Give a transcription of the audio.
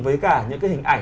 với cả những cái hình ảnh